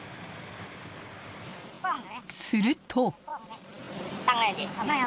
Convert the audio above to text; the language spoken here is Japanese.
すると。